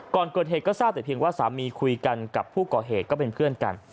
ก่อนเกิดเหตุก็ทราบแต่เพียงว่าสามีคุยกันกับผู้ก่อเหตุก็เป็นเพื่อนกัน